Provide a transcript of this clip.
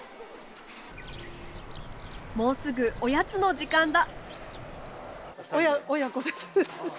もうすぐおやつの時間だ。